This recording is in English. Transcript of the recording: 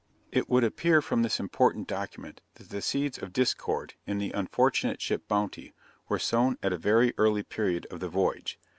It would appear from this important document that the seeds of discord, in the unfortunate ship Bounty, were sown at a very early period of the voyage.